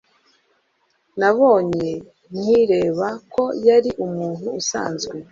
Nabonye nkireba ko yari umuntu usanzwe.